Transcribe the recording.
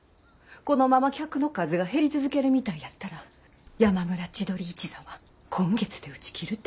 このまま客の数が減り続けるみたいやったら山村千鳥一座は今月で打ち切るて。